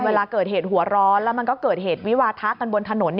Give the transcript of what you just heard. เวลาเกิดเหตุหัวร้อนแล้วมันก็เกิดเหตุวิวาทะกันบนถนน